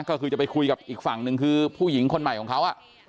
ก็คือจะไปคุยกับอีกฝั่งหนึ่งคือผู้หญิงคนใหม่ของเขา